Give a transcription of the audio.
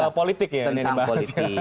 komisi politik ya ini dibahas